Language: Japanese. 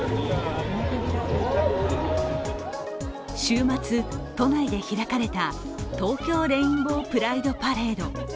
週末、都内で開かれた東京レインボープライドパレード。